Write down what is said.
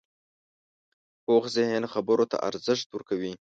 پوخ ذهن خبرو ته ارزښت ورکوي